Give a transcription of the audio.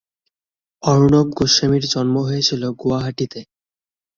অর্ণব গোস্বামীর জন্ম হয়েছিল গুয়াহাটিতে।